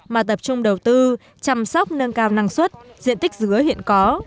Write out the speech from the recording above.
mà tập trung đầu tư chăm sóc nâng cao năng suất diện tích dứa hiện có